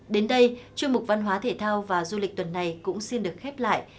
đến đây chuyên mục văn hóa thể thao và du lịch tuần này cũng xin được khép lại